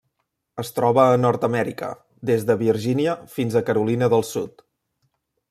Es troba a Nord-amèrica: des de Virgínia fins a Carolina del Sud.